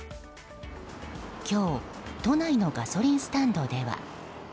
今日、都内のガソリンスタンドでは。